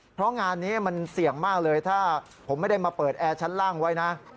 เพราะงานนี้มันเสี่ยงมากเลยถ้าผมไม่ได้มาเปิดแอร์ชั้นล่างไว้นะ